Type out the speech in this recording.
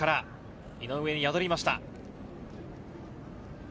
井上に宿りました。